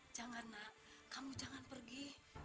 jangan nak kamu jangan pergi